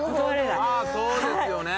まあそうですよね。